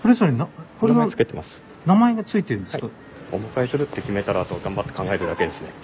名前が付いてるんですか？